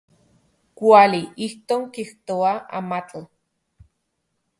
Kuali, ijkon kijtoa amatl.